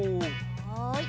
はい。